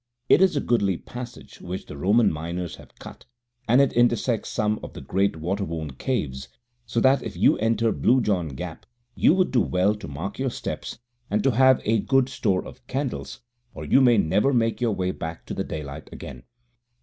It is a goodly passage which the Roman miners have cut, and it intersects some of the great water worn caves, so that if you enter Blue John Gap you would do well to mark your steps and to have a good store of candles, or you may never make your way back to the daylight again.